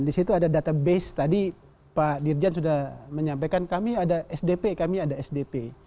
di situ ada database tadi pak dirjen sudah menyampaikan kami ada sdp kami ada sdp